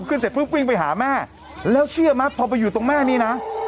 เสร็จปุ๊บวิ่งไปหาแม่แล้วเชื่อมั้ยพอไปอยู่ตรงแม่นี่นะ